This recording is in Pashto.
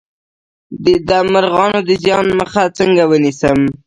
د مرغانو د زیان مخه څنګه ونیسم؟